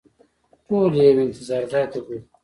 ټول یې یو انتظار ځای ته بوتلو.